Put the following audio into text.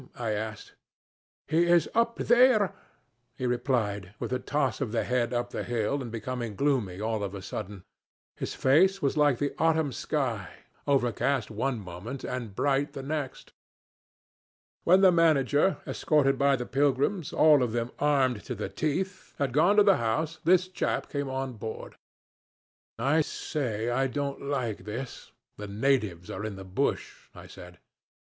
I asked. 'He is up there,' he replied, with a toss of the head up the hill, and becoming gloomy all of a sudden. His face was like the autumn sky, overcast one moment and bright the next. "When the manager, escorted by the pilgrims, all of them armed to the teeth, had gone to the house, this chap came on board. 'I say, I don't like this. These natives are in the bush,' I said.